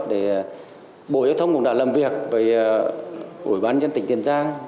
để bộ giao thông cũng đã làm việc với bộ bán nhân tỉnh tiền giang